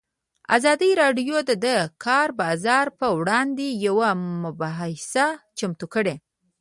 ازادي راډیو د د کار بازار پر وړاندې یوه مباحثه چمتو کړې.